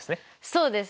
そうです。